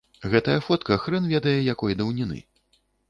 Гэтая фотка хрэн ведае якой даўніны.